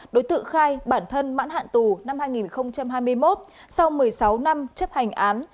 đối tượng khai bản thân mãn hạn tù năm hai nghìn hai mươi một sau một mươi sáu năm chấp hành án